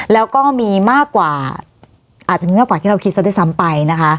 แล้วก็มีมากกว่าอาจจะมีมากกว่าที่เราคิดซะด้วยซ้ำไปนะคะ